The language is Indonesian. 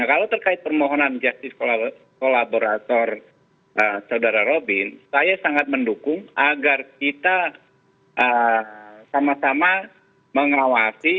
kalau terkait permohonan justice kolaborator saudara robin saya sangat mendukung agar kita sama sama mengawasi